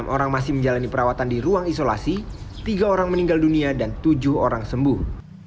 enam orang masih menjalani perawatan di ruang isolasi tiga orang meninggal dunia dan tujuh orang sembuh